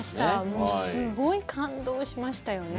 もうすごい感動しましたよね。